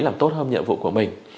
làm tốt hơn nhiệm vụ của mình